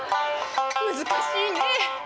難しいねえ。